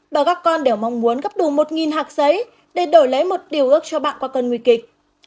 bà các con đều mong muốn gấp đủ một hạt giấy để đổi lấy một điều ước cho bạn qua cơn nguy kịch